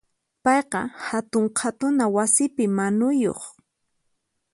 Payqa hatun qhatuna wasipi manuyuq.